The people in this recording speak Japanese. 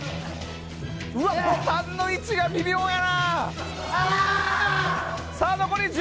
ボタンの位置が微妙やな。